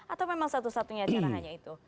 atau memang satu satunya cara hanya itu